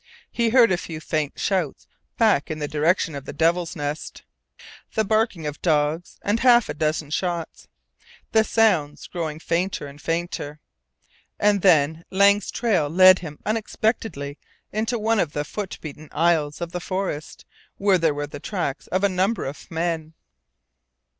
He heard a few faint shouts back in the direction of the Devil's Nest, the barking of dogs, and half a dozen shots, the sounds growing fainter and fainter. And then Lang's trail led him unexpectedly into one of the foot beaten aisles of the forest where there were the tracks of a number of men.